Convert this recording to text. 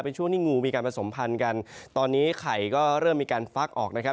เป็นช่วงที่งูมีการผสมพันธุ์กันตอนนี้ไข่ก็เริ่มมีการฟักออกนะครับ